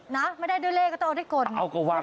นะไม่ได้ด้วยเลขก็ต้องเอาด้วยกด